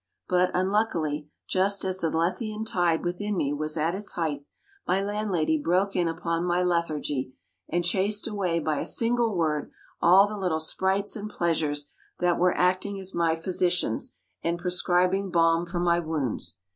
But, unluckily, just as the Lethean tide within me was at its height, my landlady broke in upon my lethargy, and chased away by a single word all the little sprites and pleasures that were acting as my physicians, and prescribing balm for my wounds.